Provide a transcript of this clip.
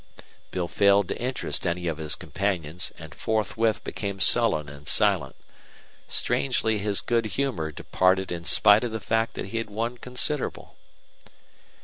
Bill failed to interest any of his companions, and forthwith became sullen and silent. Strangely his good humor departed in spite of the fact that he had won considerable.